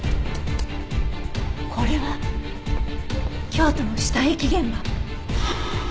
これは京都の死体遺棄現場。